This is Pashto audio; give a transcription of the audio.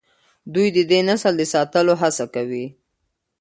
دوی د دې نسل د ساتلو هڅه کوي.